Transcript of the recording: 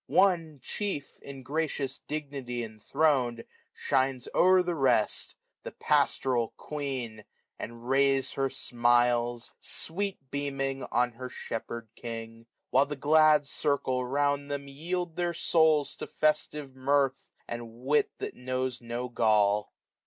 One, chief, in gracious dignity enthroned; 400 Shines o'er the rest, the past'ral queen, and rays Her smiles, sweet beaming, on her shepherd king ; While the glad circle round them yield their souls To festive mirth, and wit that knows no gall.